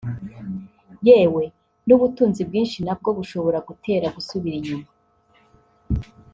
yewe n’ubutunzi bwinshi nabwo bushobora kugutera gusubira inyuma